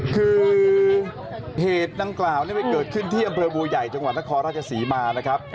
คือเหตุดังกล่าวไปเกิดขึ้นที่อำเภอบัวใหญ่จังหวัดนครราชศรีมานะครับ